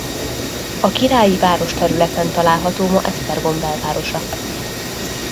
A királyi város területen található ma Esztergom belvárosa.